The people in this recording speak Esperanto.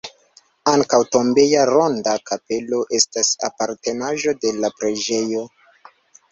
Ankaŭ tombeja ronda kapelo estas apartenaĵo de la preĝejo.